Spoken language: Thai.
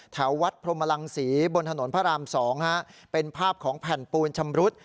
แถววัดพรมลังศรีบนถนนพระราม๒เป็นภาพของแผ่นปูนชำรุด